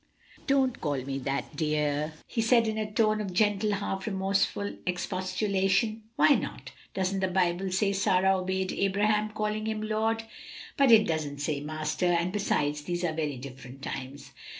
"Don't call me that, dear," he said in a tone of gentle, half remorseful expostulation. "Why not? doesn't the Bible say Sarah obeyed Abraham, calling him lord?" "But it doesn't say master, and besides, these are very different times."